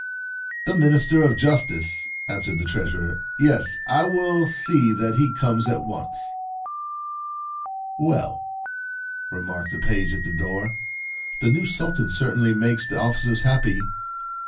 "The Minister of Justice," answered the Treasurer ;" yes, I will see that he comes at once." "Well," remarked the page at the door, "the new Sultan certainly makes the officers happy